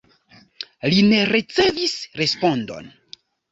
Li ne ricevis respondon.